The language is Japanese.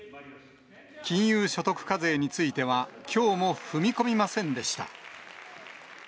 金融所得課税については、きょうも踏み込みませんでした。